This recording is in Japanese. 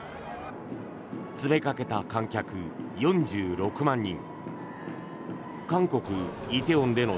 詰めかけた観客４６万人。